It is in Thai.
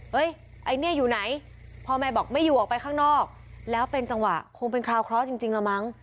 ไอ้เนี่ยอยู่ไหนพ่อแม่บอกไม่อยู่ออกไปข้างนอกแล้วเป็นจังหวะคงเป็นคราวเคราะห์จริงแล้วมั้ง